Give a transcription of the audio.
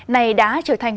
này đã trở thành